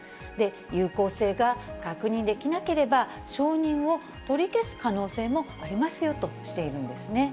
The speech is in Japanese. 有効性が確認できなければ、承認を取り消す可能性もありますよとしているんですね。